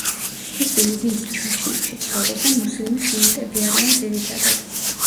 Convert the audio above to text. ისინი ვინც ჩაჩნეთში ცხოვრობენ მუსლიმი სუნიტები არიან ძირითადად.